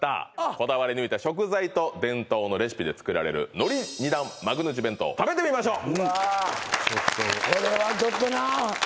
こだわり抜いた食材と伝統のレシピで作られるのり２段幕の内弁当食べてみましょう